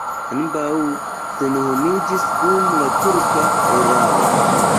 Ambaŭ senhomiĝis dum la turka erao.